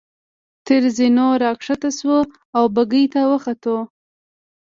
تر زینو را کښته شوو او بګۍ ته وختو.